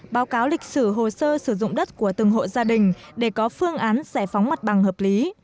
báo cáo lịch sử hồ sơ sử dụng đất của từng hộ gia đình để có phương án giải phóng mặt bằng hợp lý